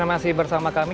terima kasih bersama kami